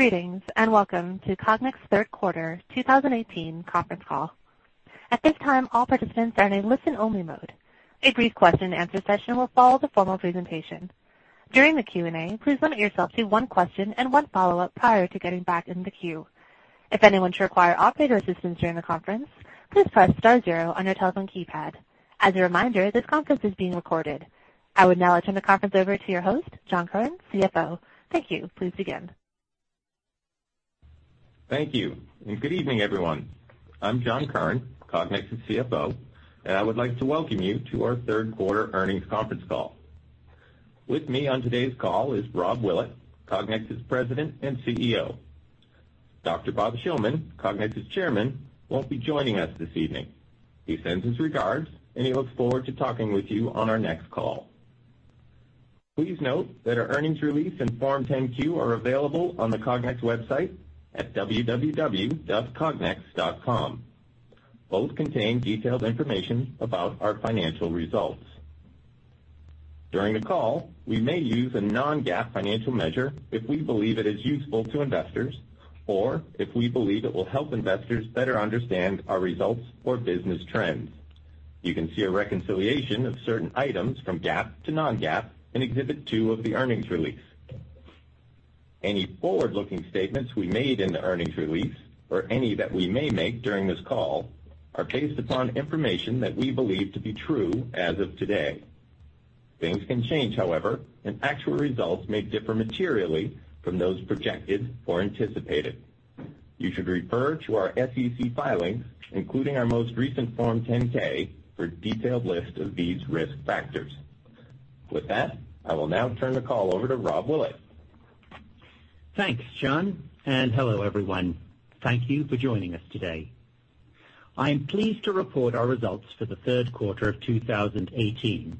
Greetings. Welcome to Cognex Third Quarter 2018 Conference Call. At this time, all participants are in a listen-only mode. A brief question-and-answer session will follow the formal presentation. During the Q&A, please limit yourself to one question and one follow-up prior to getting back in the queue. If anyone should require operator assistance during the conference, please press star 0 on your telephone keypad. As a reminder, this conference is being recorded. I would now turn the conference over to your host, John Curran, CFO. Thank you. Please begin. Thank you. Good evening, everyone. I am John Curran, Cognex's CFO, and I would like to welcome you to our third quarter earnings conference call. With me on today's call is Rob Willett, Cognex's President and CEO. Dr. Bob Shillman, Cognex's Chairman, will not be joining us this evening. He sends his regards. He looks forward to talking with you on our next call. Please note that our earnings release and Form 10-Q are available on the Cognex website at cognex.com. Both contain detailed information about our financial results. During the call, we may use a non-GAAP financial measure if we believe it is useful to investors or if we believe it will help investors better understand our results or business trends. You can see a reconciliation of certain items from GAAP to non-GAAP in Exhibit 2 of the earnings release. Any forward-looking statements we made in the earnings release, or any that we may make during this call, are based upon information that we believe to be true as of today. Things can change, however. Actual results may differ materially from those projected or anticipated. You should refer to our SEC filings, including our most recent Form 10-K, for a detailed list of these risk factors. With that, I will now turn the call over to Rob Willett. Thanks, John. Hello, everyone. Thank you for joining us today. I am pleased to report our results for the third quarter of 2018.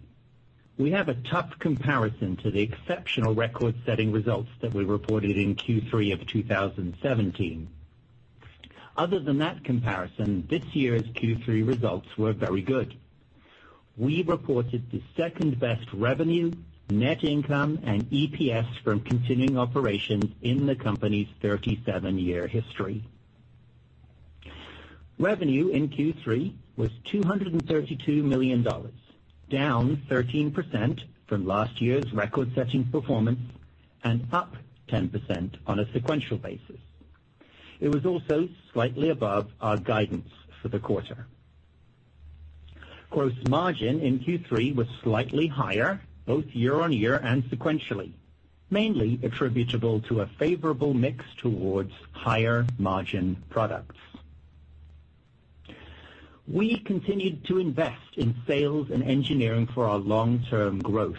We have a tough comparison to the exceptional record-setting results that we reported in Q3 of 2017. Other than that comparison, this year's Q3 results were very good. We reported the second-best revenue, net income, and EPS from continuing operations in the company's 37-year history. Revenue in Q3 was $232 million, down 13% from last year's record-setting performance and up 10% on a sequential basis. It was also slightly above our guidance for the quarter. Gross margin in Q3 was slightly higher, both year-over-year and sequentially, mainly attributable to a favorable mix towards higher margin products. We continued to invest in sales and engineering for our long-term growth.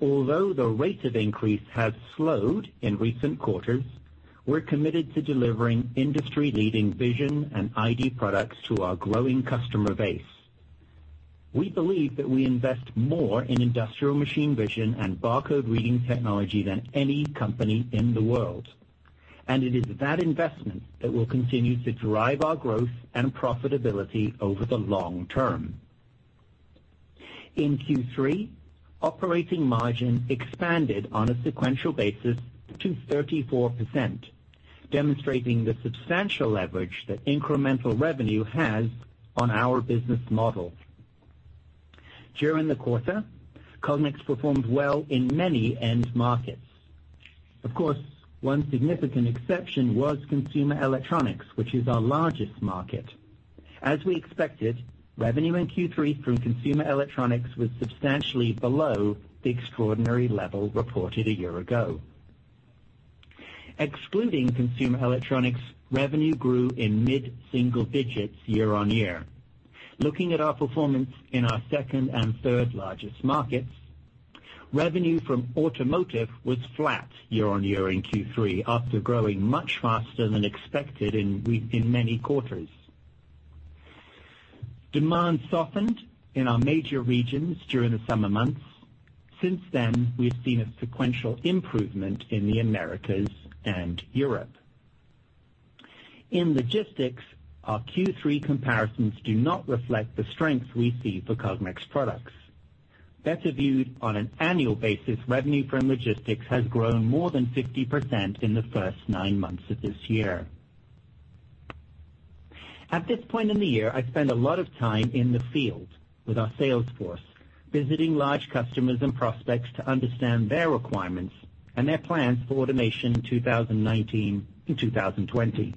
Although the rate of increase has slowed in recent quarters, we're committed to delivering industry-leading vision and ID products to our growing customer base. We believe that we invest more in industrial machine vision and barcode reading technology than any company in the world, and it is that investment that will continue to drive our growth and profitability over the long term. In Q3, operating margin expanded on a sequential basis to 34%, demonstrating the substantial leverage that incremental revenue has on our business model. During the quarter, Cognex performed well in many end markets. Of course, one significant exception was consumer electronics, which is our largest market. As we expected, revenue in Q3 from consumer electronics was substantially below the extraordinary level reported a year ago. Excluding consumer electronics, revenue grew in mid-single digits year-on-year. Looking at our performance in our second and third largest markets, revenue from automotive was flat year-on-year in Q3, after growing much faster than expected in many quarters. Demand softened in our major regions during the summer months. Since then, we have seen a sequential improvement in the Americas and Europe. In logistics, our Q3 comparisons do not reflect the strengths we see for Cognex products. Better viewed on an annual basis, revenue from logistics has grown more than 50% in the first nine months of this year. At this point in the year, I spend a lot of time in the field with our sales force, visiting large customers and prospects to understand their requirements and their plans for automation in 2019 and 2020.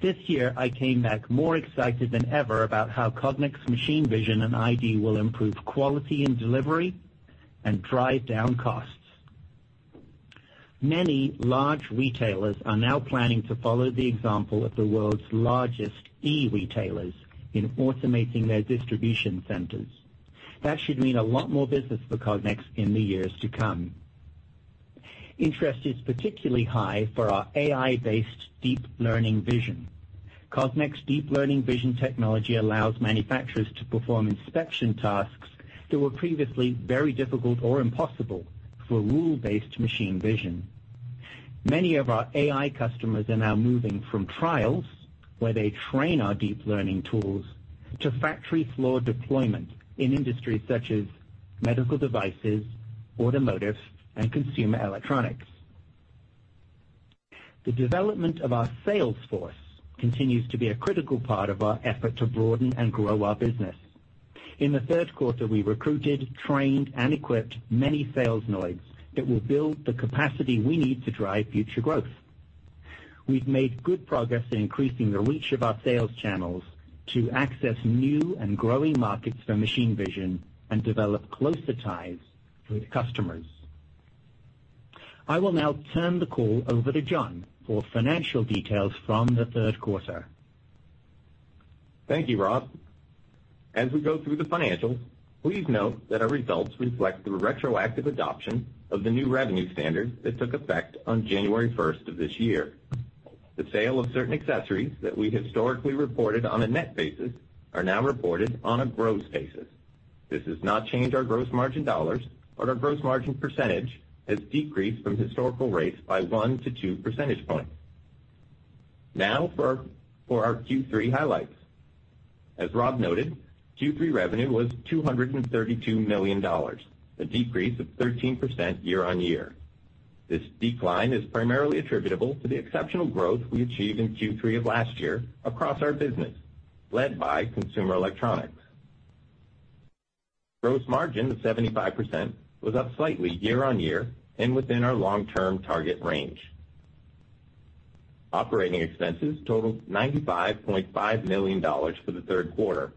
This year, I came back more excited than ever about how Cognex machine vision and ID will improve quality and delivery and drive down costs. Many large retailers are now planning to follow the example of the world's largest e-retailers in automating their distribution centers. That should mean a lot more business for Cognex in the years to come. Interest is particularly high for our AI-based deep learning vision. Cognex deep learning vision technology allows manufacturers to perform inspection tasks that were previously very difficult or impossible for rule-based machine vision. Many of our AI customers are now moving from trials, where they train our deep learning tools to factory floor deployment in industries such as medical devices, automotive, and consumer electronics. The development of our sales force continues to be a critical part of our effort to broaden and grow our business. In the third quarter, we recruited, trained, and equipped many sales nodes that will build the capacity we need to drive future growth. We've made good progress in increasing the reach of our sales channels to access new and growing markets for machine vision and develop closer ties with customers. I will now turn the call over to John for financial details from the third quarter. Thank you, Rob. As we go through the financials, please note that our results reflect the retroactive adoption of the new revenue standard that took effect on January 1st of this year. The sale of certain accessories that we historically reported on a net basis are now reported on a gross basis. This has not changed our gross margin dollars, but our gross margin percentage has decreased from historical rates by one to two percentage points. Now for our Q3 highlights. As Rob noted, Q3 revenue was $232 million, a decrease of 13% year-on-year. This decline is primarily attributable to the exceptional growth we achieved in Q3 of last year across our business, led by consumer electronics. Gross margin of 75% was up slightly year-on-year and within our long-term target range. Operating expenses totaled $95.5 million for the third quarter,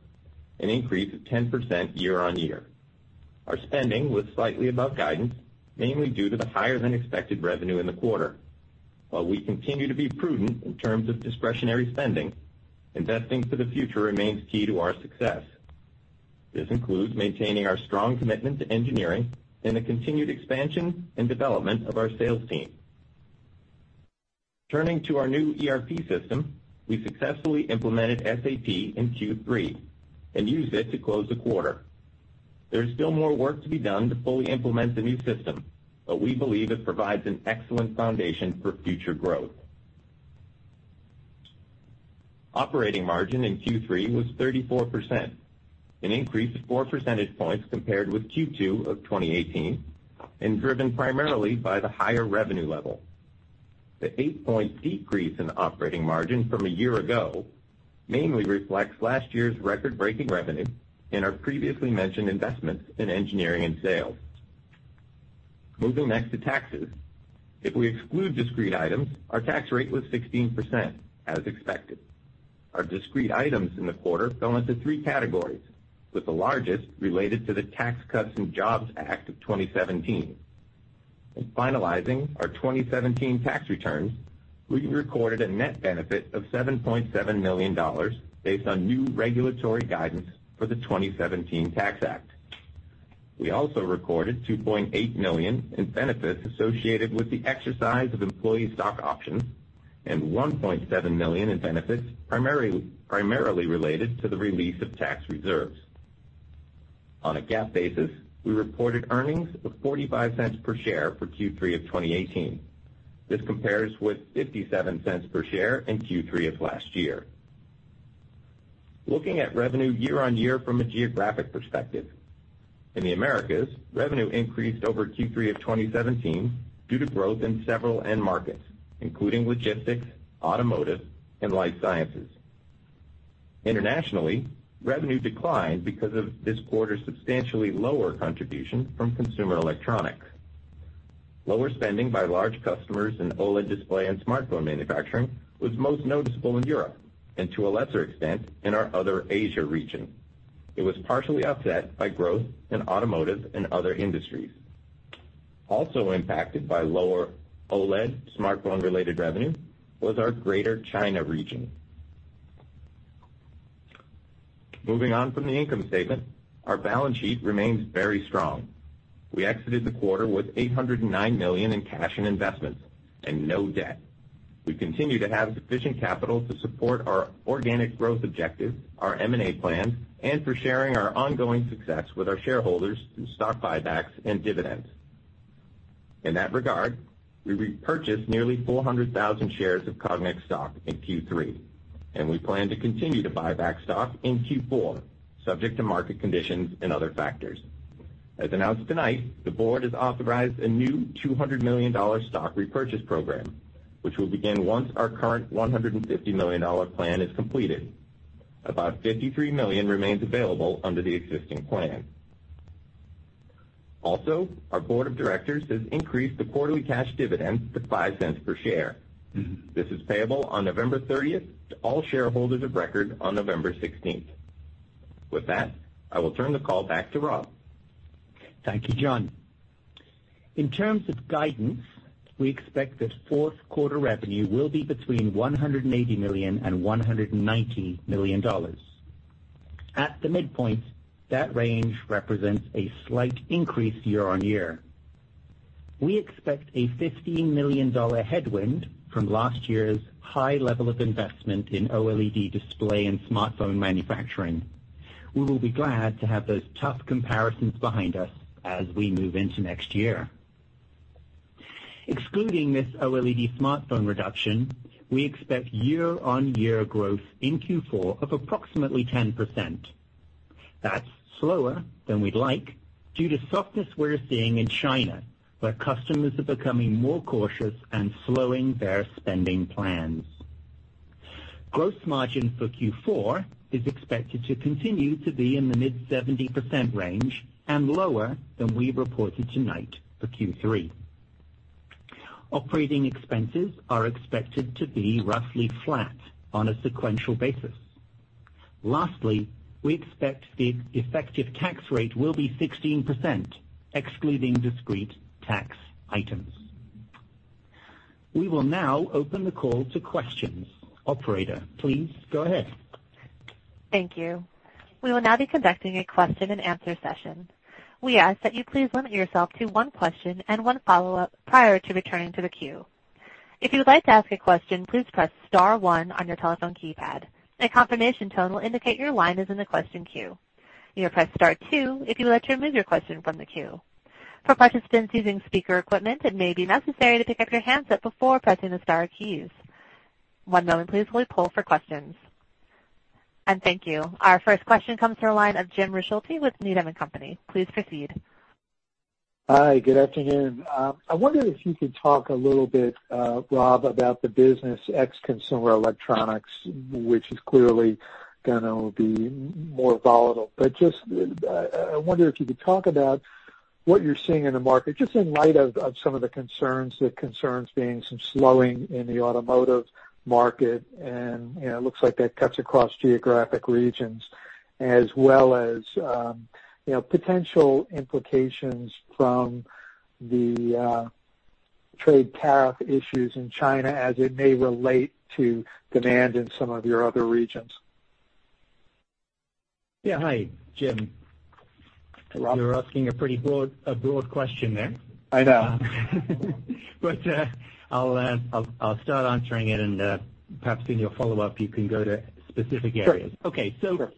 an increase of 10% year-on-year. Our spending was slightly above guidance, mainly due to the higher-than-expected revenue in the quarter. While we continue to be prudent in terms of discretionary spending, investing for the future remains key to our success. This includes maintaining our strong commitment to engineering and the continued expansion and development of our sales team. Turning to our new ERP system, we successfully implemented SAP in Q3 and used it to close the quarter. There is still more work to be done to fully implement the new system, but we believe it provides an excellent foundation for future growth. Operating margin in Q3 was 34%, an increase of four percentage points compared with Q2 of 2018, and driven primarily by the higher revenue level. The eight-point decrease in operating margin from a year ago mainly reflects last year's record-breaking revenue and our previously mentioned investments in engineering and sales. Moving next to taxes. If we exclude discrete items, our tax rate was 16%, as expected. Our discrete items in the quarter fell into three categories, with the largest related to the Tax Cuts and Jobs Act of 2017. In finalizing our 2017 tax returns, we recorded a net benefit of $7.7 million based on new regulatory guidance for the 2017 Tax Act. We also recorded $2.8 million in benefits associated with the exercise of employee stock options and $1.7 million in benefits primarily related to the release of tax reserves. On a GAAP basis, we reported earnings of $0.45 per share for Q3 of 2018. This compares with $0.57 per share in Q3 of last year. Looking at revenue year-on-year from a geographic perspective, in the Americas, revenue increased over Q3 of 2017 due to growth in several end markets, including logistics, automotive, and life sciences. Internationally, revenue declined because of this quarter's substantially lower contribution from consumer electronics. Lower spending by large customers in OLED display and smartphone manufacturing was most noticeable in Europe and, to a lesser extent, in our other Asia region. It was partially offset by growth in automotive and other industries. Also impacted by lower OLED smartphone-related revenue was our greater China region. Moving on from the income statement, our balance sheet remains very strong. We exited the quarter with $809 million in cash and investments and no debt. We continue to have sufficient capital to support our organic growth objectives, our M&A plans, and for sharing our ongoing success with our shareholders through stock buybacks and dividends. In that regard, we repurchased nearly 400,000 shares of Cognex stock in Q3, and we plan to continue to buy back stock in Q4, subject to market conditions and other factors. As announced tonight, the board has authorized a new $200 million stock repurchase program, which will begin once our current $150 million plan is completed. About $53 million remains available under the existing plan. Our board of directors has increased the quarterly cash dividend to $0.05 per share. This is payable on November 30th to all shareholders of record on November 16th. With that, I will turn the call back to Rob. Thank you, John. In terms of guidance, we expect that fourth quarter revenue will be between $180 million and $190 million. At the midpoint, that range represents a slight increase year-on-year. We expect a $15 million headwind from last year's high level of investment in OLED display and smartphone manufacturing. We will be glad to have those tough comparisons behind us as we move into next year. Excluding this OLED smartphone reduction, we expect year-on-year growth in Q4 of approximately 10%. That's slower than we'd like due to softness we're seeing in China, where customers are becoming more cautious and slowing their spending plans. Gross margin for Q4 is expected to continue to be in the mid 70% range and lower than we reported tonight for Q3. Operating expenses are expected to be roughly flat on a sequential basis. We expect the effective tax rate will be 16%, excluding discrete tax items. We will now open the call to questions. Operator, please go ahead. Thank you. We will now be conducting a question and answer session. We ask that you please limit yourself to one question and one follow-up prior to returning to the queue. If you would like to ask a question, please press star one on your telephone keypad. A confirmation tone will indicate your line is in the question queue. You may press star two if you would like to remove your question from the queue. For participants using speaker equipment, it may be necessary to pick up your handset before pressing the star keys. One moment please, while we poll for questions. Thank you. Our first question comes from the line of Jim Ricchiuti with Needham & Company. Please proceed. Hi, good afternoon. I wonder if you could talk a little bit, Rob, about the business ex-consumer electronics, which is clearly going to be more volatile. Just, I wonder if you could talk about what you're seeing in the market, just in light of some of the concerns. The concerns being some slowing in the automotive market, and it looks like that cuts across geographic regions as well as potential implications from the trade tariff issues in China as it may relate to demand in some of your other regions. Yeah. Hi, Jim. Hi, Rob. You're asking a broad question there. I know. I'll start answering it and perhaps in your follow-up, you can go to specific areas. Sure.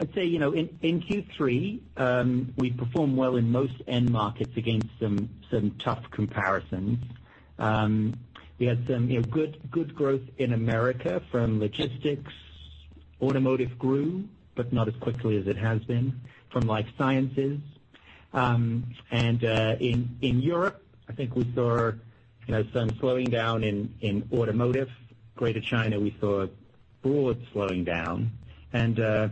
I'd say, in Q3, we performed well in most end markets against some tough comparisons. We had some good growth in America from logistics. Automotive grew, but not as quickly as it has been from life sciences. In Europe, I think we saw some slowing down in automotive. Greater China, we saw broad slowing down. I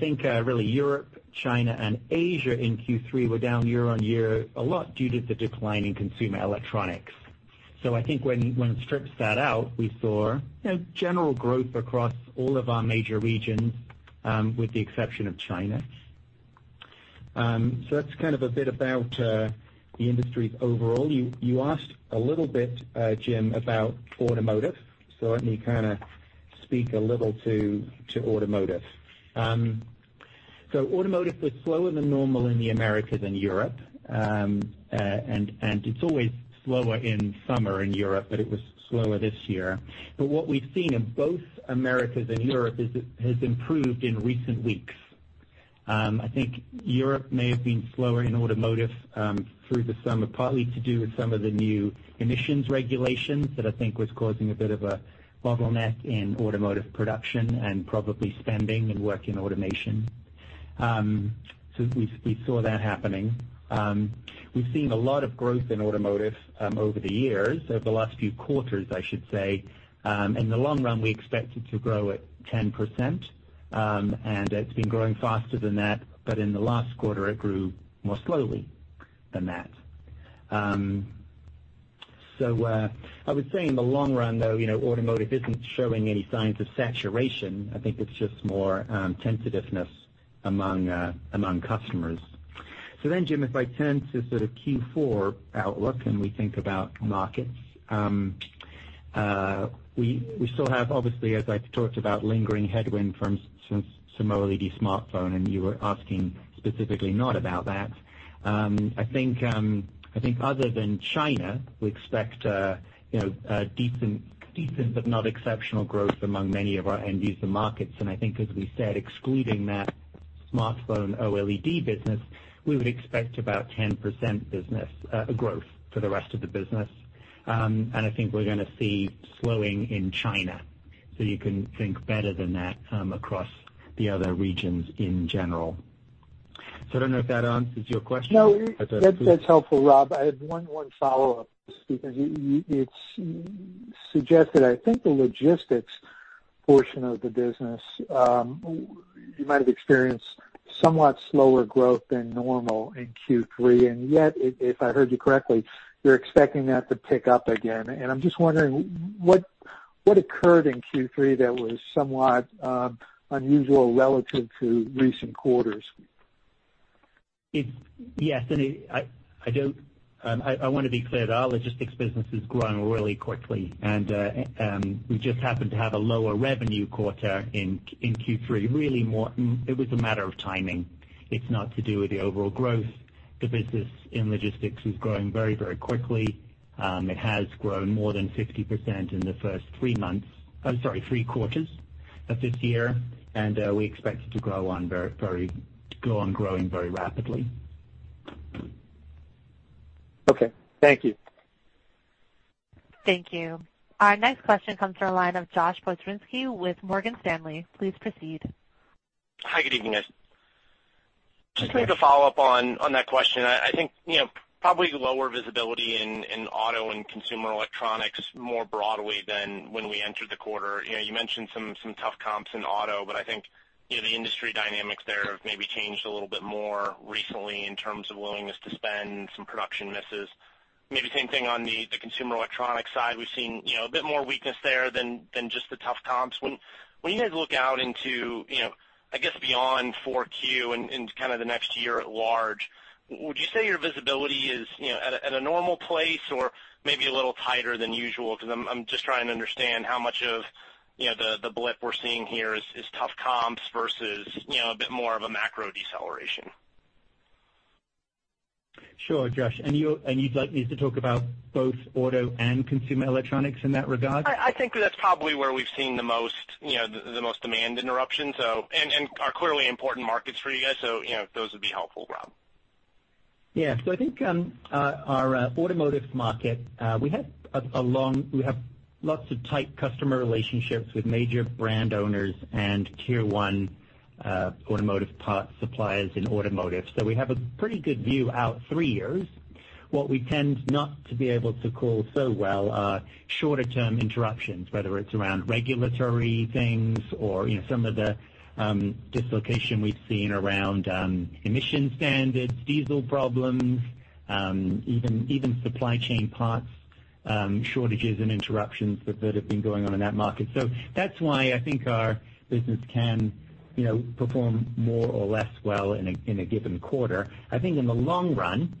think really Europe, China, and Asia in Q3 were down year-on-year a lot due to the decline in consumer electronics. I think when one strips that out, we saw general growth across all of our major regions, with the exception of China. That's a bit about the industries overall. You asked a little bit, Jim, about automotive, so let me speak a little to automotive. Automotive was slower than normal in the Americas and Europe. It's always slower in summer in Europe, but it was slower this year. What we've seen in both Americas and Europe is it has improved in recent weeks. I think Europe may have been slower in automotive, through the summer, partly to do with some of the new emissions regulations that I think was causing a bit of a bottleneck in automotive production and probably spending and work in automation. We saw that happening. We've seen a lot of growth in automotive over the years, over the last few quarters, I should say. In the long run, we expect it to grow at 10%, and it's been growing faster than that, but in the last quarter, it grew more slowly than that. I would say in the long run, though, automotive isn't showing any signs of saturation. I think it's just more, tentativeness among customers. Jim, if I turn to sort of Q4 outlook and we think about markets. We still have obviously, as I talked about, lingering headwind from some OLED smartphone, and you were asking specifically not about that. I think other than China, we expect decent but not exceptional growth among many of our end-user markets, and I think as we said, excluding that smartphone OLED business, we would expect about 10% growth for the rest of the business. I think we're going to see slowing in China, so you can think better than that across the other regions in general. I don't know if that answers your question. No, that's helpful, Rob. I have one follow-up. It's suggested, I think the logistics portion of the business, you might have experienced somewhat slower growth than normal in Q3, and yet, if I heard you correctly, you're expecting that to pick up again. I'm just wondering what occurred in Q3 that was somewhat unusual relative to recent quarters? Yes. I want to be clear. Our logistics business is growing really quickly, and we just happened to have a lower revenue quarter in Q3. Really, it was a matter of timing. It's not to do with the overall growth. The business in logistics is growing very quickly. It has grown more than 50% in the first three quarters of this year, and we expect it to go on growing very rapidly. Okay. Thank you. Thank you. Our next question comes from the line of Joshua Pokrzywinski with Morgan Stanley. Please proceed. Hi, good evening, guys. Hi. Just maybe to follow up on that question. I think, probably lower visibility in auto and consumer electronics more broadly than when we entered the quarter. You mentioned some tough comps in auto, I think, the industry dynamics there have maybe changed a little bit more recently in terms of willingness to spend, some production misses. Maybe the same thing on the consumer electronics side. We've seen a bit more weakness there than just the tough comps. When you guys look out into, I guess, beyond 4Q and kind of the next year at large, would you say your visibility is at a normal place or maybe a little tighter than usual? Because I'm just trying to understand how much of the blip we're seeing here is tough comps versus a bit more of a macro deceleration. Sure, Josh. You'd like me to talk about both auto and consumer electronics in that regard? I think that's probably where we've seen the most demand interruption, and are clearly important markets for you guys. Those would be helpful, Rob. Yeah. I think our automotive market, we have lots of tight customer relationships with major brand owners and tier 1 automotive parts suppliers in automotive. We have a pretty good view out three years. What we tend not to be able to call so well are shorter-term interruptions, whether it's around regulatory things or some of the dislocation we've seen around emission standards, diesel problems, even supply chain parts shortages and interruptions that have been going on in that market. That's why I think our business can perform more or less well in a given quarter. I think in the long run,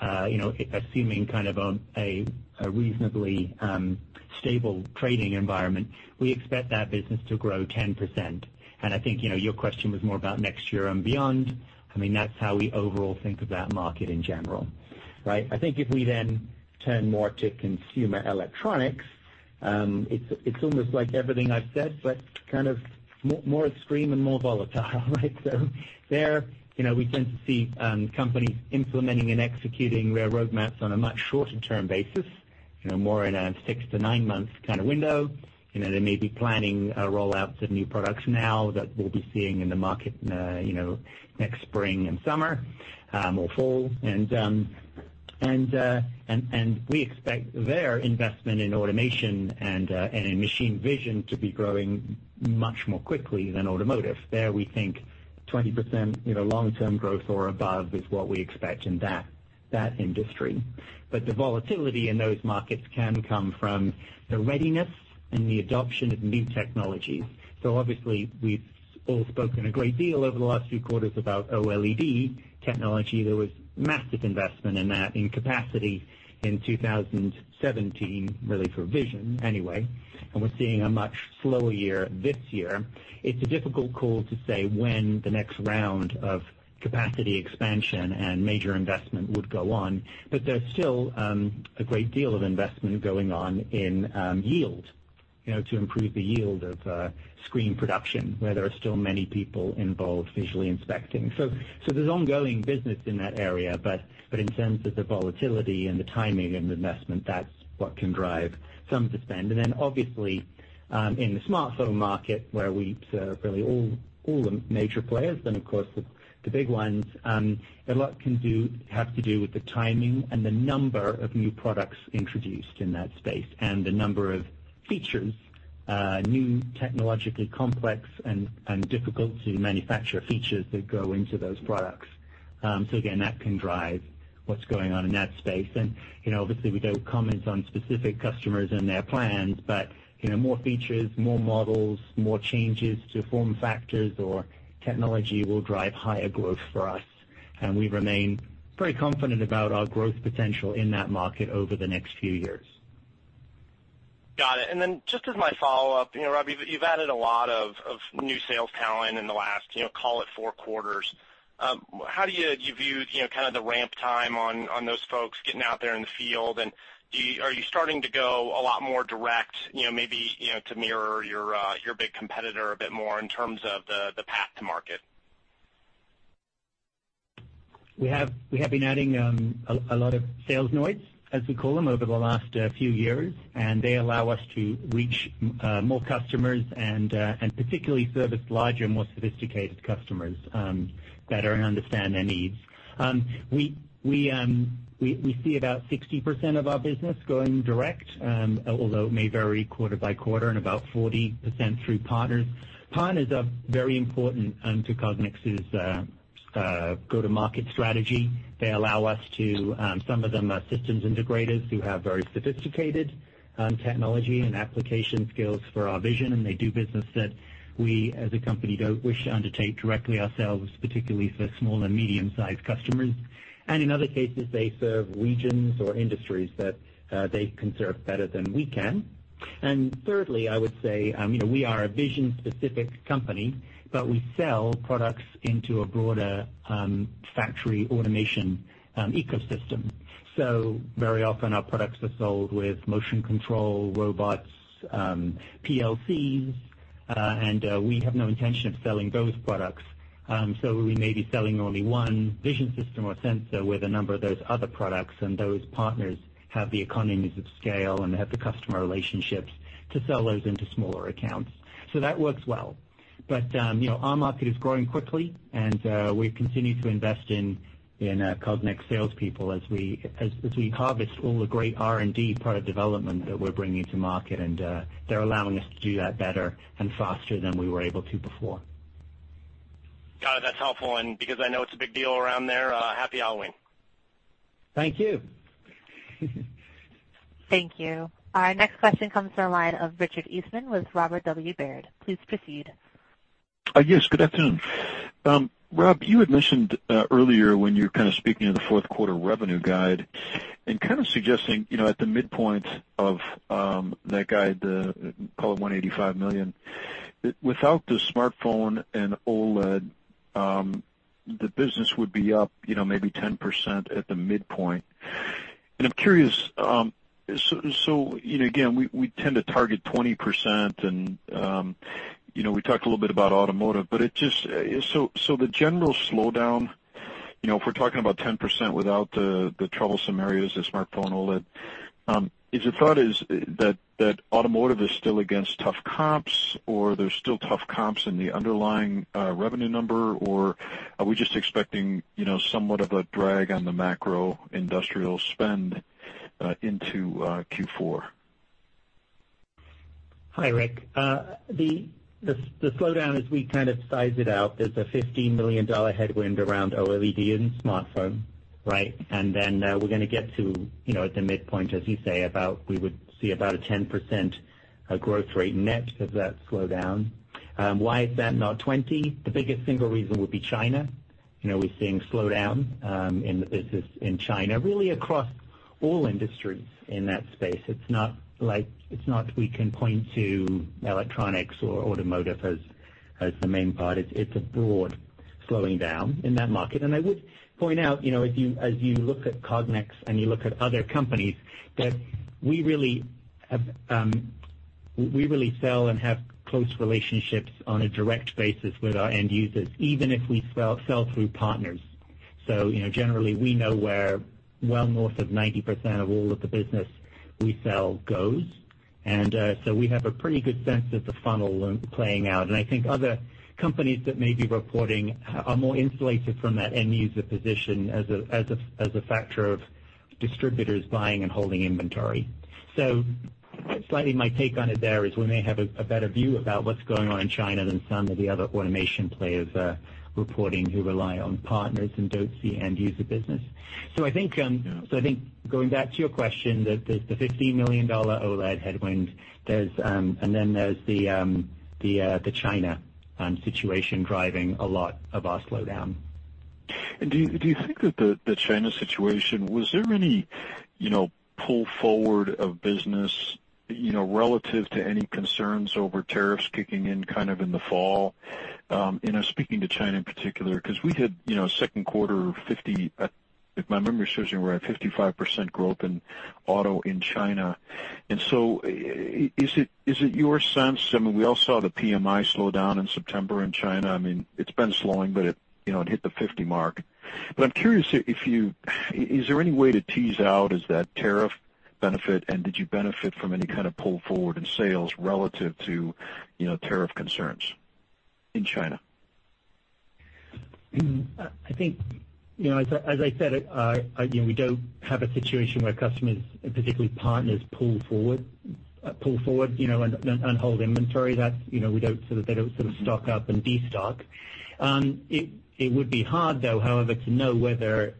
assuming kind of a reasonably stable trading environment, we expect that business to grow 10%. I think, your question was more about next year and beyond. I mean, that's how we overall think of that market in general. Right? I think if we turn more to consumer electronics, it's almost like everything I've said, but kind of more extreme and more volatile, right? There, we tend to see companies implementing and executing their roadmaps on a much shorter term basis, more in a 6 to 9-month kind of window. They may be planning rollouts of new products now that we'll be seeing in the market next spring and summer, or fall. We expect their investment in automation and in machine vision to be growing much more quickly than automotive. There, we think 20% long-term growth or above is what we expect in that industry. The volatility in those markets can come from the readiness and the adoption of new technologies. Obviously, we've all spoken a great deal over the last few quarters about OLED technology. There was massive investment in that, in capacity in 2017, really for vision anyway, we're seeing a much slower year this year. It's a difficult call to say when the next round of capacity expansion and major investment would go on. There's still a great deal of investment going on in yield, to improve the yield of screen production, where there are still many people involved visually inspecting. There's ongoing business in that area, but in terms of the volatility and the timing and the investment, that's what can drive some to spend. Obviously, in the smartphone market, where we serve really all the major players, and of course the big ones, a lot have to do with the timing and the number of new products introduced in that space and the number of features, new technologically complex and difficult to manufacture features that go into those products. Again, that can drive what's going on in that space. Obviously, we don't comment on specific customers and their plans, but more features, more models, more changes to form factors or technology will drive higher growth for us. We remain very confident about our growth potential in that market over the next few years. Got it. Just as my follow-up, Rob, you've added a lot of new sales talent in the last call it four quarters. How do you view kind of the ramp time on those folks getting out there in the field, and are you starting to go a lot more direct, maybe, to mirror your big competitor a bit more in terms of the path to market? We have been adding a lot of sales nodes, as we call them, over the last few years. They allow us to reach more customers, and particularly service larger, more sophisticated customers, better and understand their needs. We see about 60% of our business going direct, although it may vary quarter by quarter and about 40% through partners. Partners are very important to Cognex's go-to-market strategy. Some of them are systems integrators who have very sophisticated technology and application skills for our vision. They do business that we, as a company, don't wish to undertake directly ourselves, particularly for small and medium-sized customers. In other cases, they serve regions or industries that they can serve better than we can. Thirdly, I would say, we are a vision-specific company, but we sell products into a broader factory automation ecosystem. Very often our products are sold with motion control robots, PLCs. We have no intention of selling those products. We may be selling only one vision system or sensor with a number of those other products. Those partners have the economies of scale and have the customer relationships to sell those into smaller accounts. That works well. Our market is growing quickly and we've continued to invest in Cognex salespeople as we harvest all the great R&D product development that we're bringing to market. They're allowing us to do that better and faster than we were able to before. Got it. That's helpful. Because I know it's a big deal around there, happy Halloween. Thank you. Thank you. Our next question comes from the line of Richard Eastman with Robert W. Baird. Please proceed. Yes, good afternoon. Rob, you had mentioned earlier when you were kind of speaking of the fourth quarter revenue guide and kind of suggesting, at the midpoint of that guide, call it $185 million, without the smartphone and OLED, the business would be up maybe 10% at the midpoint. I'm curious, again, we tend to target 20% and we talked a little bit about automotive, but the general slowdown, if we're talking about 10% without the troublesome areas of smartphone and OLED, is the thought is that automotive is still against tough comps or there's still tough comps in the underlying revenue number, or are we just expecting somewhat of a drag on the macro industrial spend into Q4? Hi, Rick. The slowdown as we kind of size it out, there is a $15 million headwind around OLED and smartphone. Right? We are going to get to at the midpoint, as you say, we would see about a 10% growth rate net of that slowdown. Why is that not 20? The biggest single reason would be China. We are seeing slowdown in the business in China, really across all industries in that space. It is not we can point to electronics or automotive as the main part. It is a broad slowing down in that market. I would point out, as you look at Cognex and you look at other companies, that we really sell and have close relationships on a direct basis with our end users, even if we sell through partners. Generally we know where well north of 90% of all of the business we sell goes. We have a pretty good sense of the funnel playing out. I think other companies that may be reporting are more insulated from that end user position as a factor of distributors buying and holding inventory. Slightly my take on it there is we may have a better view about what is going on in China than some of the other automation players reporting who rely on partners and don't see end user business. I think, going back to your question, there is the $15 million OLED headwind, and then there is the China situation driving a lot of our slowdown. Do you think that the China situation, was there any pull forward of business relative to any concerns over tariffs kicking in in the fall? Speaking to China in particular, because we had second quarter 50, if my memory serves me right, 55% growth in auto in China. Is it your sense, I mean, we all saw the PMI slow down in September in China. I mean, it has been slowing, but it hit the 50 mark. I am curious, is there any way to tease out, is that tariff benefit and did you benefit from any kind of pull forward in sales relative to tariff concerns in China? I think, as I said, we don't have a situation where customers, particularly partners, pull forward and hold inventory. They don't sort of stock up and de-stock. It would be hard, though, however, to know whether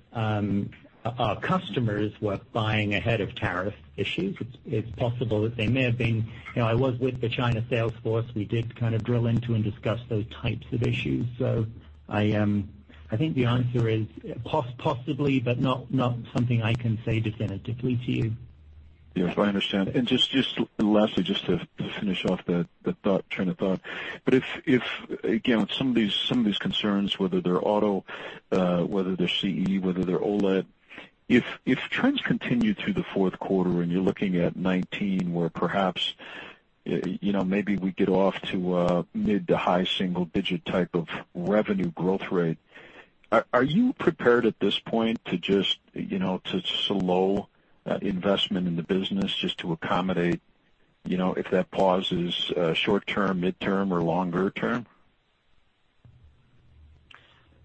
our customers were buying ahead of tariff issues. It is possible that they may have been. I was with the China sales force. We did kind of drill into and discuss those types of issues. I think the answer is possibly, but not something I can say definitively to you. Yes, I understand. Lastly, just to finish off the train of thought. If, again, some of these concerns, whether they're auto, whether they're CE, whether they're OLED, if trends continue through the fourth quarter and you're looking at 2019 where perhaps maybe we get off to a mid to high single-digit type of revenue growth rate, are you prepared at this point to slow investment in the business just to accommodate if that pause is short-term, midterm, or longer term?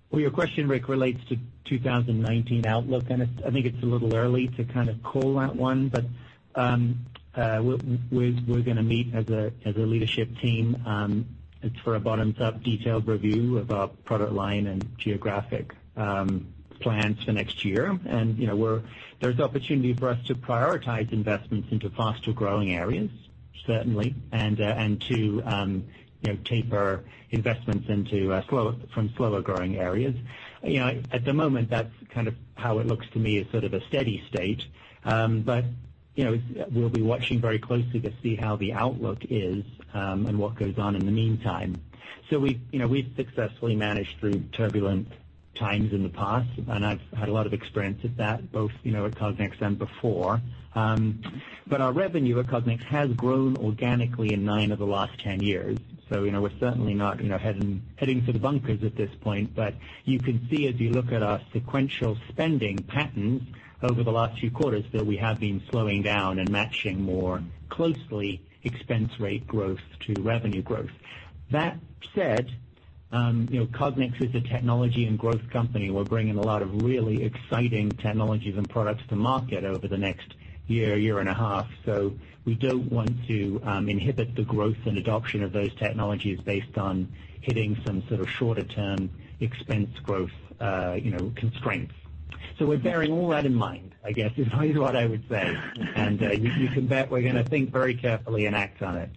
Well, your question, Rick, relates to 2019 outlook, and I think it's a little early to kind of call that one. We're going to meet as a leadership team for a bottoms-up detailed review of our product line and geographic plans for next year. There's opportunity for us to prioritize investments into faster-growing areas, certainly, and to taper investments from slower-growing areas. At the moment, that's kind of how it looks to me as sort of a steady state. We'll be watching very closely to see how the outlook is, and what goes on in the meantime. We've successfully managed through turbulent times in the past, and I've had a lot of experience with that, both at Cognex and before. Our revenue at Cognex has grown organically in nine of the last 10 years. We're certainly not heading to the bunkers at this point. You can see as you look at our sequential spending patterns over the last few quarters, that we have been slowing down and matching more closely expense rate growth to revenue growth. That said, Cognex is a technology and growth company. We're bringing a lot of really exciting technologies and products to market over the next year and a half. We don't want to inhibit the growth and adoption of those technologies based on hitting some sort of shorter-term expense growth constraints. We're bearing all that in mind, I guess, is what I would say. You can bet we're going to think very carefully and act on it.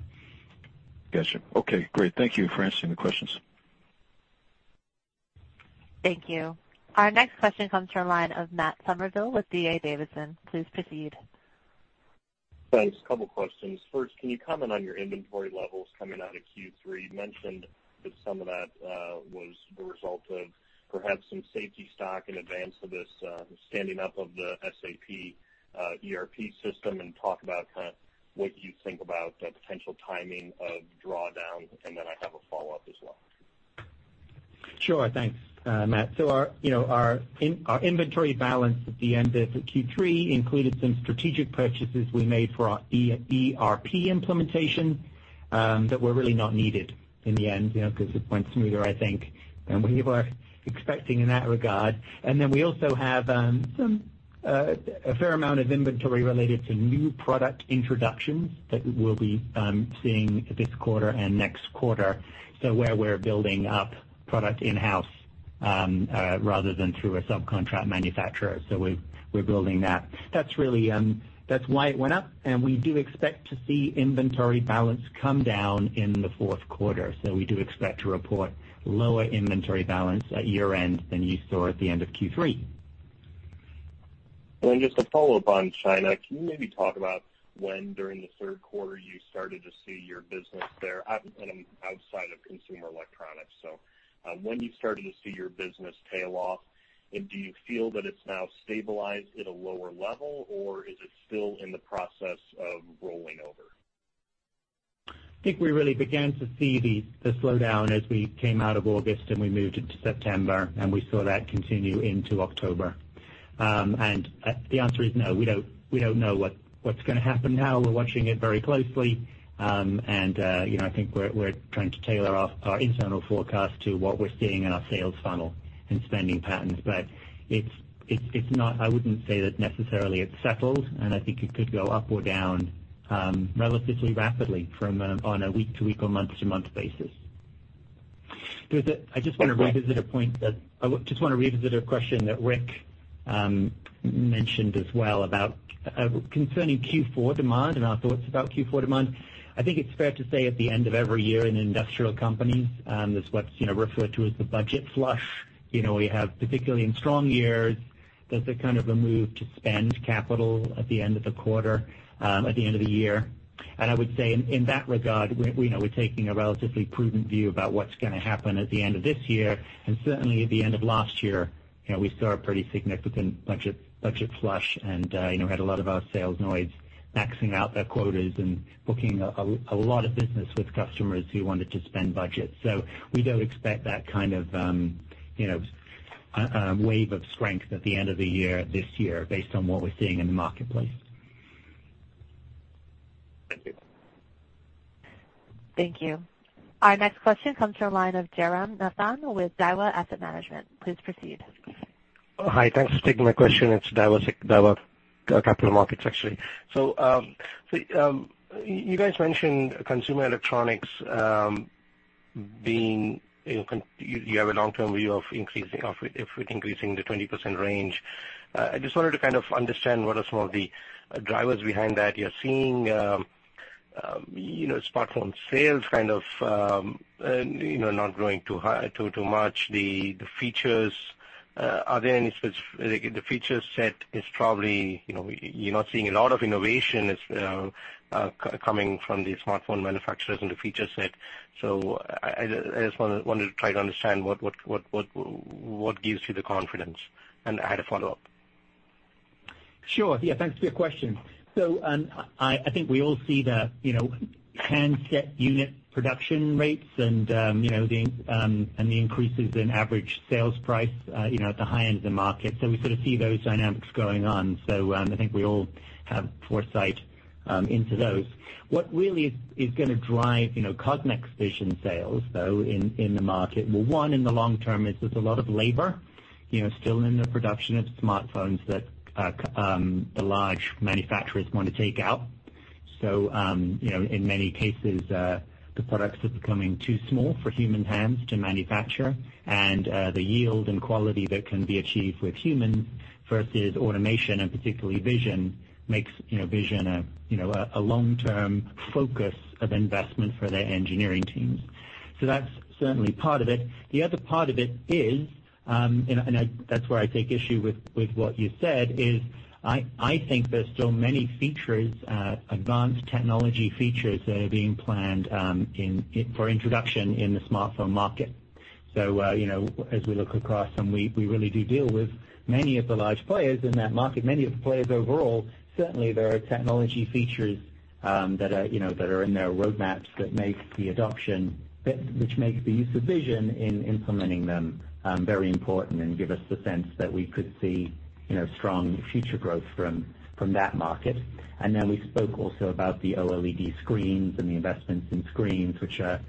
Got you. Okay, great. Thank you for answering the questions. Thank you. Our next question comes to our line of Matt Summerville with D.A. Davidson. Please proceed. Thanks. Couple questions. First, can you comment on your inventory levels coming out of Q3? You mentioned that some of that was the result of perhaps some safety stock in advance of this standing up of the SAP ERP system, and talk about kind of what you think about the potential timing of draw down, and then I have a follow-up as well. Sure. Thanks, Matt. Our inventory balance at the end of Q3 included some strategic purchases we made for our ERP implementation, that were really not needed in the end, because it went smoother, I think, than we were expecting in that regard. We also have a fair amount of inventory related to new product introductions that we'll be seeing this quarter and next quarter. Where we're building up product in-house, rather than through a subcontract manufacturer. We're building that. That's why it went up, and we do expect to see inventory balance come down in the fourth quarter. We do expect to report lower inventory balance at year end than you saw at the end of Q3. Just a follow-up on China, can you maybe talk about when during the third quarter you started to see your business there, and outside of consumer electronics? When you started to see your business tail off, and do you feel that it's now stabilized at a lower level, or is it still in the process of rolling over? I think we really began to see the slowdown as we came out of August and we moved into September. We saw that continue into October. The answer is no, we don't know what's going to happen now. We're watching it very closely. I think we're trying to tailor our internal forecast to what we're seeing in our sales funnel and spending patterns. I wouldn't say that necessarily it's settled, and I think it could go up or down relatively rapidly on a week-to-week or month-to-month basis. I just want to revisit a question that Rick mentioned as well about concerning Q4 demand and our thoughts about Q4 demand. I think it's fair to say at the end of every year in industrial companies, there's what's referred to as the budget flush. We have, particularly in strong years, there's a kind of a move to spend capital at the end of the quarter, at the end of the year. I would say in that regard, we're taking a relatively prudent view about what's going to happen at the end of this year, and certainly at the end of last year, we saw a pretty significant budget flush, and had a lot of our sales nodes maxing out their quotas and booking a lot of business with customers who wanted to spend budget. We don't expect that kind of wave of strength at the end of the year this year based on what we're seeing in the marketplace. Thank you. Thank you. Our next question comes to the line of Jairam Nathan with Daiwa Capital Markets. Please proceed. Hi, thanks for taking my question. It's Daiwa Capital Markets, actually. You guys mentioned consumer electronics, you have a long-term view of it increasing the 20% range. I just wanted to kind of understand what are some of the drivers behind that you're seeing, smartphone sales kind of not growing too much. The feature set is probably, you're not seeing a lot of innovation coming from the smartphone manufacturers in the feature set. I just wanted to try to understand what gives you the confidence? I had a follow-up. Sure. Yeah, thanks for your question. I think we all see the handset unit production rates and the increases in average sales price at the high end of the market. We sort of see those dynamics going on. I think we all have foresight into those. What really is going to drive Cognex vision sales, though, in the market. One in the long term is there's a lot of labor still in the production of smartphones that the large manufacturers want to take out. In many cases, the products are becoming too small for human hands to manufacture. The yield and quality that can be achieved with humans versus automation, and particularly vision, makes vision a long-term focus of investment for their engineering teams. That's certainly part of it. The other part of it is, and that's where I take issue with what you said, is I think there's still many advanced technology features that are being planned for introduction in the smartphone market. As we look across, and we really do deal with many of the large players in that market, many of the players overall, certainly there are technology features that are in their roadmaps which make the use of vision in implementing them very important and give us the sense that we could see strong future growth from that market. We spoke also about the OLED screens and the investments in screens, which are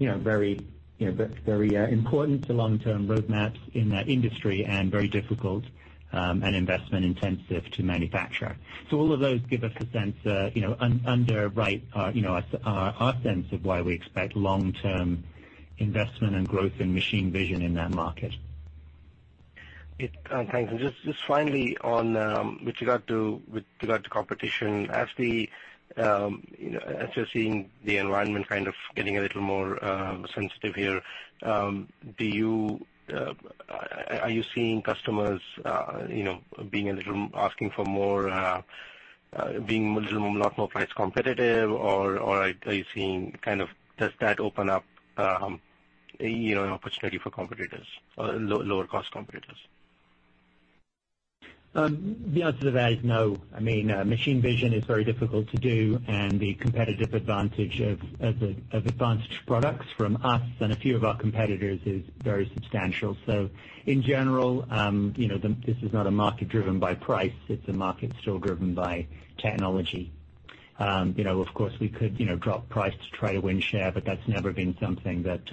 very important to long-term roadmaps in that industry and very difficult and investment intensive to manufacture. All of those give us a sense, our sense of why we expect long-term investment and growth in machine vision in that market. Thanks. Just finally, with regard to competition, as you're seeing the environment kind of getting a little more sensitive here, are you seeing customers asking for more, being a lot more price competitive, or does that open up an opportunity for lower cost competitors? The answer to that is no. Machine vision is very difficult to do, and the competitive advantage of advanced products from us and a few of our competitors is very substantial. In general, this is not a market driven by price, it's a market still driven by technology. Of course, we could drop price to try to win share, but that's never been something that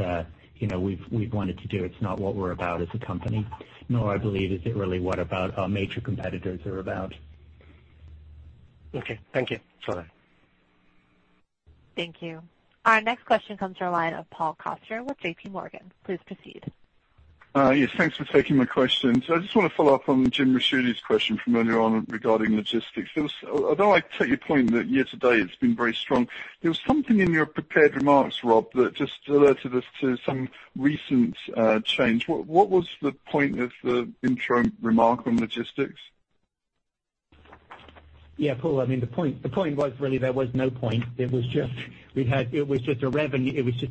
we've wanted to do. It's not what we're about as a company, nor I believe, is it really what our major competitors are about. Okay. Thank you. Bye-bye. Thank you. Our next question comes from the line of Paul Coster with JP Morgan. Please proceed. Yes, thanks for taking my question. I just want to follow up on James Ricchiuti's question from earlier on regarding logistics. Although I take your point that year-to-date it's been very strong, there was something in your prepared remarks, Rob, that just alerted us to some recent change. What was the point of the intro remark on logistics? Yeah, Paul, the point was really there was no point. It was just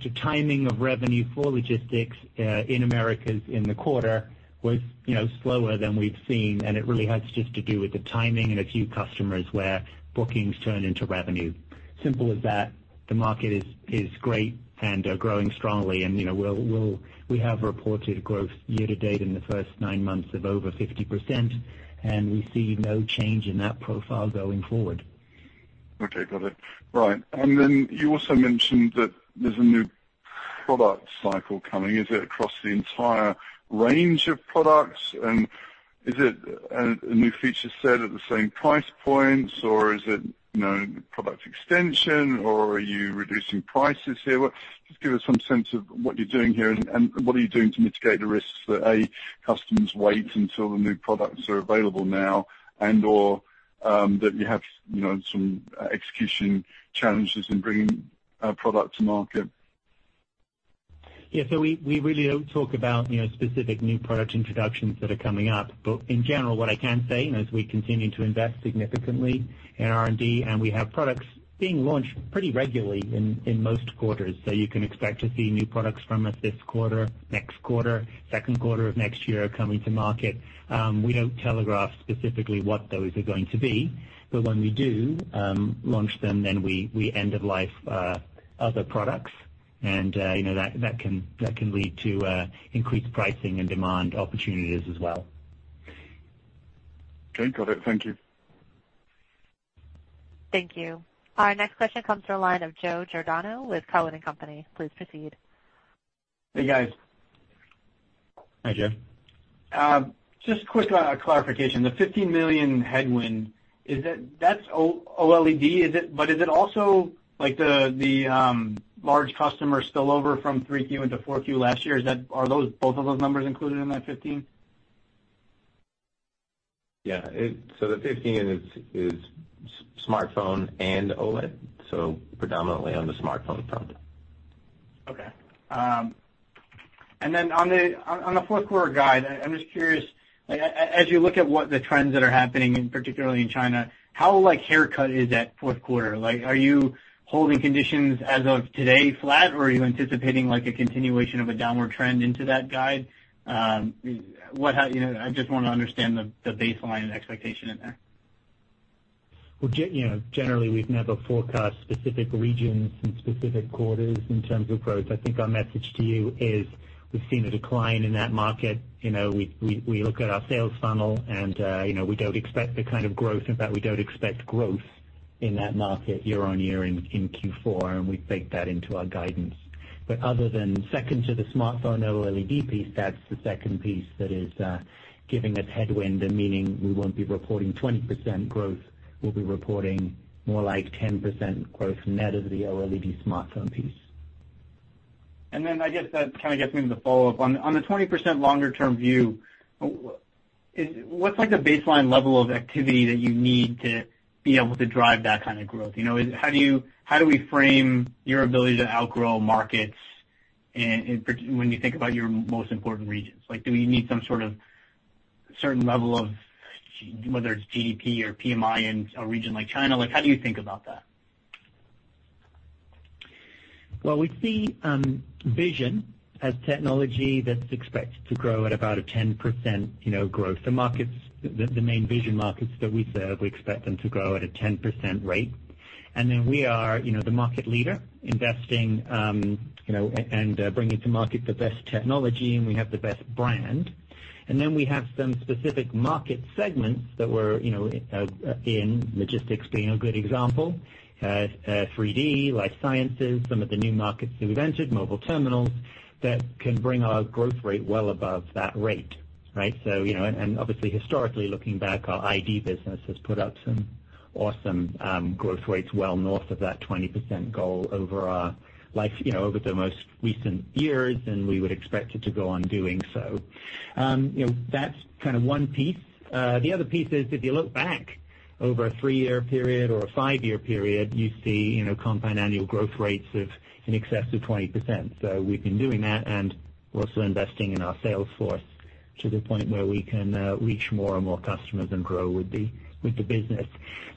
a timing of revenue for logistics, in Americas in the quarter, was slower than we've seen, and it really has just to do with the timing and a few customers where bookings turn into revenue. Simple as that. The market is great and growing strongly, and we have reported growth year-to-date in the first nine months of over 50%, and we see no change in that profile going forward. Okay, got it. Right. You also mentioned that there's a new product cycle coming. Is it across the entire range of products? Is it a new feature set at the same price points, or is it product extension, or are you reducing prices here? Just give us some sense of what you're doing here and what are you doing to mitigate the risks that, A, customers wait until the new products are available now, and/or that you have some execution challenges in bringing a product to market. Yeah, we really don't talk about specific new product introductions that are coming up. But in general, what I can say, and as we continue to invest significantly in R&D, and we have products being launched pretty regularly in most quarters. You can expect to see new products from us this quarter, next quarter, second quarter of next year coming to market. We don't telegraph specifically what those are going to be, but when we do launch them, then we end of life other products, and that can lead to increased pricing and demand opportunities as well. Okay, got it. Thank you. Thank you. Our next question comes from the line of Joseph Giordano with Cowen and Company. Please proceed. Hey, guys. Hi, Joe. Just quick clarification, the $15 million headwind, that's OLED, but is it also the large customer spillover from Q3 into Q4 last year? Are both of those numbers included in that 15? Yeah. The 15 is smartphone and OLED, predominantly on the smartphone front. Okay. On the fourth quarter guide, I'm just curious, as you look at what the trends that are happening, particularly in China, how haircut is that fourth quarter? Are you holding conditions as of today flat, or are you anticipating a continuation of a downward trend into that guide? I just want to understand the baseline and expectation in there. Well, generally, we've never forecast specific regions and specific quarters in terms of growth. I think our message to you is we've seen a decline in that market. We look at our sales funnel, we don't expect the kind of growth. In fact, we don't expect growth in that market year on year in Q4, we've baked that into our guidance. Other than second to the smartphone OLED piece, that's the second piece that is giving us headwind and meaning we won't be reporting 20% growth. We'll be reporting more like 10% growth net of the OLED smartphone piece. I guess that kind of gets me to the follow-up. On the 20% longer-term view, what's the baseline level of activity that you need to be able to drive that kind of growth? How do we frame your ability to outgrow markets when you think about your most important regions? Do we need some sort of certain level of, whether it's GDP or PMI in a region like China? How do you think about that? Well, we see vision as technology that's expected to grow at about a 10% growth. The main vision markets that we serve, we expect them to grow at a 10% rate. We are the market leader, investing and bringing to market the best technology, and we have the best brand. We have some specific market segments that we're in, logistics being a good example, 3D, life sciences, some of the new markets that we've entered, mobile terminals, that can bring our growth rate well above that rate, right? Obviously, historically, looking back, our ID business has put out some awesome growth rates well north of that 20% goal over the most recent years, and we would expect it to go on doing so. That's kind of one piece. The other piece is, if you look back over a three-year period or a five-year period, you see compound annual growth rates of in excess of 20%. We've been doing that, and we're also investing in our sales force to the point where we can reach more and more customers and grow with the business.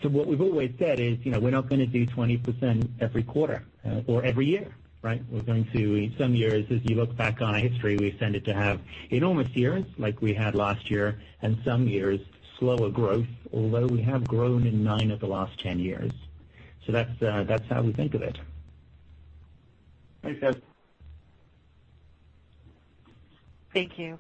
What we've always said is, we're not going to do 20% every quarter or every year, right? In some years, as you look back on our history, we've tended to have enormous years, like we had last year, and some years slower growth, although we have grown in nine of the last 10 years. That's how we think of it. Thanks, Seth. Thank you.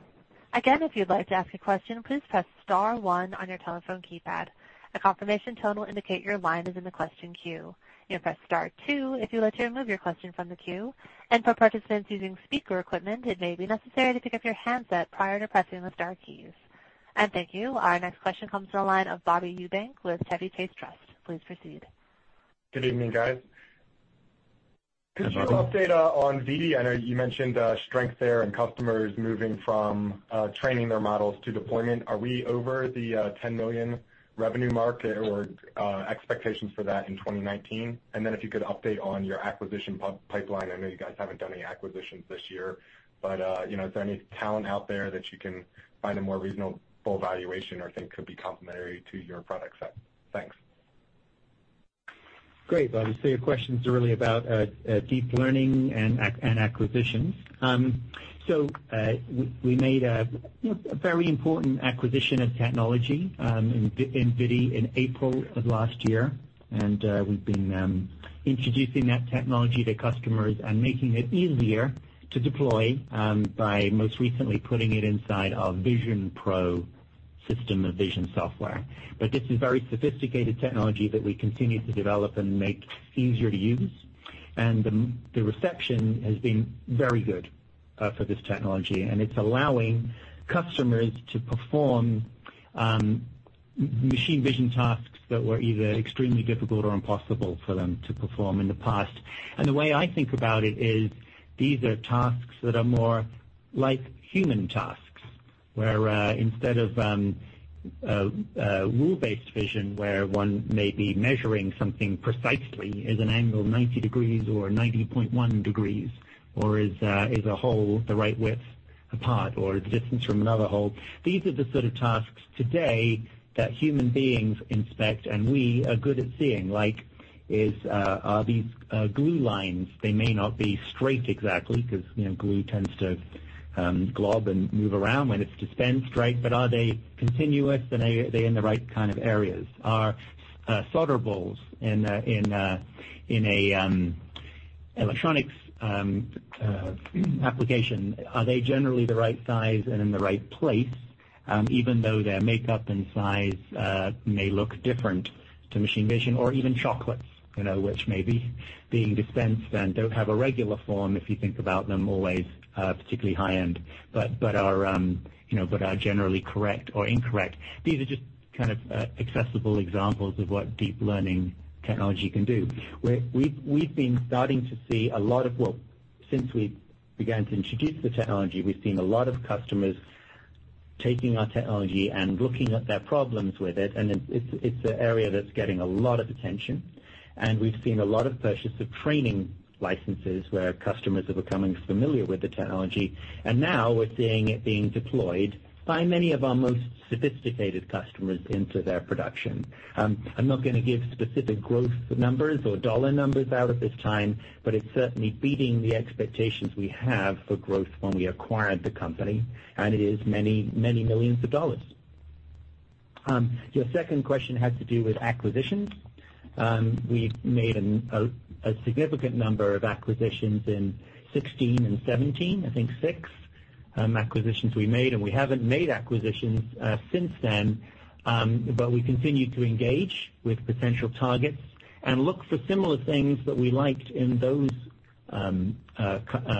If you'd like to ask a question, please press star one on your telephone keypad. A confirmation tone will indicate your line is in the question queue. You may press star two if you'd like to remove your question from the queue. For participants using speaker equipment, it may be necessary to pick up your handset prior to pressing the star keys. Thank you. Our next question comes from the line of Bobby Eubank with Chevy Chase Trust. Please proceed. Good evening, guys. Good evening. Could you update on ViDi? I know you mentioned strength there and customers moving from training their models to deployment. Are we over the $10 million revenue mark or expectations for that in 2019? If you could update on your acquisition pipeline. I know you guys haven't done any acquisitions this year, but is there any talent out there that you can find a more reasonable valuation or think could be complementary to your product set? Thanks. Great, Bobby. Your questions are really about deep learning and acquisitions. We made a very important acquisition of technology in ViDi in April of last year, and we've been introducing that technology to customers and making it easier to deploy by most recently putting it inside our VisionPro system of vision software. This is very sophisticated technology that we continue to develop and make easier to use, and the reception has been very good for this technology, and it's allowing customers to perform machine vision tasks that were either extremely difficult or impossible for them to perform in the past. The way I think about it is these are tasks that are more like human tasks, where instead of rule-based vision, where one may be measuring something precisely, is an angle 90 degrees or 90.1 degrees, or is a hole the right width apart, or the distance from another hole? These are the sort of tasks today that human beings inspect and we are good at seeing, like are these glue lines, they may not be straight exactly because glue tends to glob and move around when it's dispensed, right? Are they continuous, and are they in the right kind of areas? Are solder balls in an electronics application, are they generally the right size and in the right place, even though their makeup and size may look different to machine vision? Even chocolates, which may be being dispensed and don't have a regular form, if you think about them always particularly high-end, are generally correct or incorrect. These are just kind of accessible examples of what deep learning technology can do. Since we began to introduce the technology, we've seen a lot of customers taking our technology and looking at their problems with it, and it's an area that's getting a lot of attention. We've seen a lot of purchase of training licenses where customers are becoming familiar with the technology. Now we're seeing it being deployed by many of our most sophisticated customers into their production. I'm not going to give specific growth numbers or dollar numbers out at this time, but it's certainly beating the expectations we have for growth when we acquired the company, and it is many, many millions of dollars. Your second question had to do with acquisitions. We made a significant number of acquisitions in 2016 and 2017, I think six acquisitions we made, and we haven't made acquisitions since then. We continued to engage with potential targets and look for similar things that we liked in those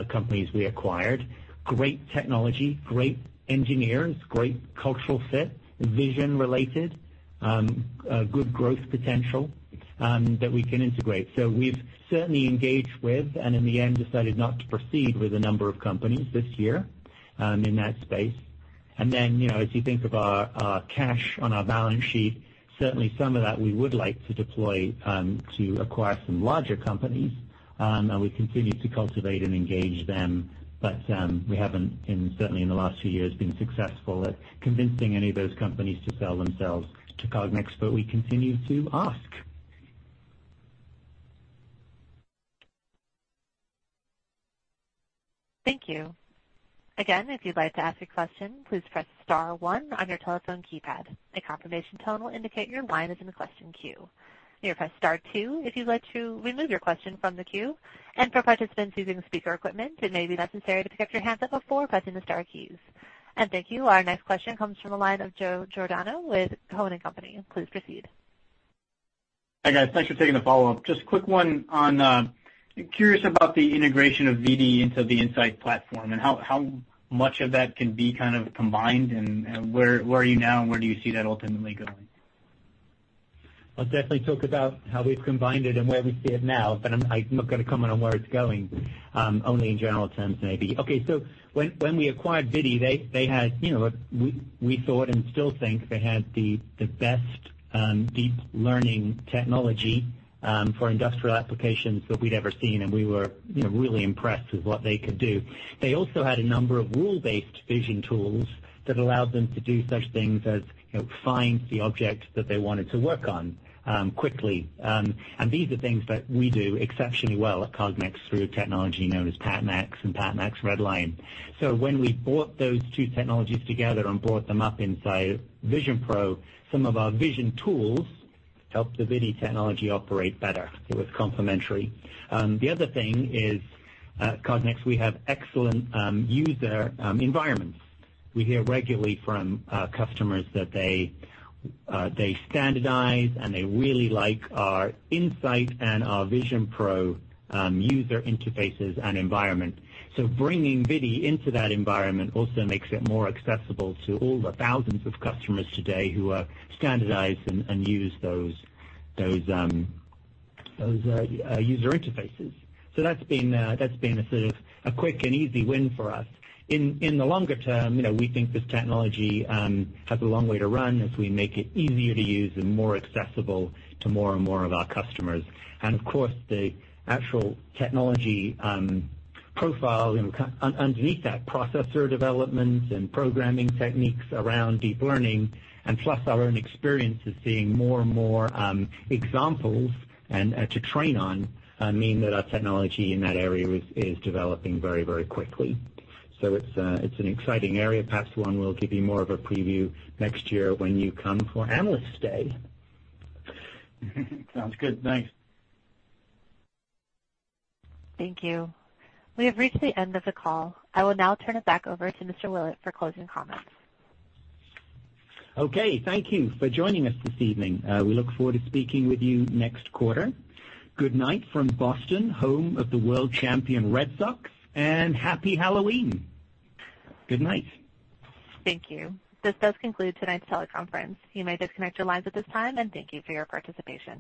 companies we acquired. Great technology, great engineers, great cultural fit, vision related, good growth potential that we can integrate. We've certainly engaged with, and in the end, decided not to proceed with a number of companies this year in that space. As you think of our cash on our balance sheet, certainly some of that we would like to deploy to acquire some larger companies, and we continue to cultivate and engage them. We haven't, certainly in the last few years, been successful at convincing any of those companies to sell themselves to Cognex, but we continue to ask. Thank you. Again, if you'd like to ask a question, please press star one on your telephone keypad. A confirmation tone will indicate your line is in the question queue. You may press star two if you'd like to remove your question from the queue. For participants using speaker equipment, it may be necessary to pick up your handset before pressing the star keys. Thank you. Our next question comes from the line of Joseph Giordano with Cowen and Company. Please proceed. Hi, guys. Thanks for taking the follow-up. Curious about the integration of ViDi into the In-Sight platform and how much of that can be kind of combined and where are you now and where do you see that ultimately going? I'll definitely talk about how we've combined it and where we see it now, but I'm not going to comment on where it's going. Only in general terms, maybe. Okay, when we acquired ViDi, we thought and still think they had the best deep learning technology for industrial applications that we'd ever seen, and we were really impressed with what they could do. They also had a number of rule-based vision tools that allowed them to do such things as find the object that they wanted to work on quickly. These are things that we do exceptionally well at Cognex through technology known as PatMax and PatMax RedLine. When we brought those two technologies together and brought them up inside VisionPro, some of our vision tools helped the ViDi technology operate better. It was complementary. The other thing is, at Cognex, we have excellent user environments. We hear regularly from customers that they standardize, and they really like our In-Sight and our VisionPro user interfaces and environment. Bringing ViDi into that environment also makes it more accessible to all the thousands of customers today who are standardized and use those user interfaces. That's been a sort of a quick and easy win for us. In the longer term, we think this technology has a long way to run as we make it easier to use and more accessible to more and more of our customers. And of course, the actual technology profile underneath that processor development and programming techniques around deep learning, and plus our own experience of seeing more and more examples to train on, mean that our technology in that area is developing very quickly. It's an exciting area, perhaps one we'll give you more of a preview next year when you come for Analyst Day. Sounds good. Thanks. Thank you. We have reached the end of the call. I will now turn it back over to Mr. Willett for closing comments. Okay, thank you for joining us this evening. We look forward to speaking with you next quarter. Good night from Boston, home of the world champion Red Sox, and Happy Halloween. Good night. Thank you. This does conclude tonight's teleconference. You may disconnect your lines at this time, and thank you for your participation.